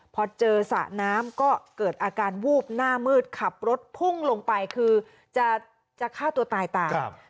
พอเจอสระน้ำก็เกิดอาการวูบหน้ามืดขับรถพุ่งลงไปคือจะฆ่าตัวตายตาม